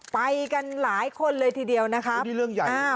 ไปกันหลายคนเลยทีเดียวนะครับอันนี้เรื่องใหญ่อ่า